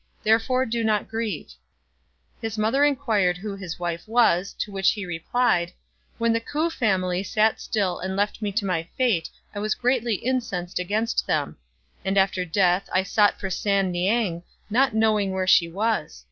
Therefore do not grieve." His mother inquired who his wife was, to which he re plied, "When the K'ou family sat still and left me to my fate I was greatly incensed against them; and after death I sought for San niang, not knowing where she was.